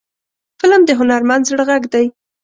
فلم د هنرمند زړه غږ دی